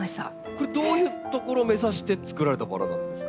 これどういうところを目指してつくられたバラなんですか？